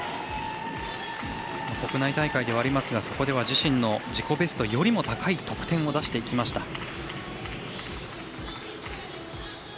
国内大会ではありますがそこでは自身の自己ベストより高い得点を出していきました。